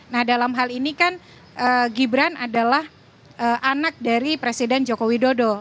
nah dalam hal ini kan gibran adalah anak dari presiden joko widodo